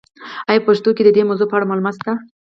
آیا په پښتو کې د دې موضوع په اړه معلومات شته؟